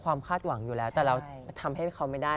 คาดหวังอยู่แล้วแต่เราทำให้เขาไม่ได้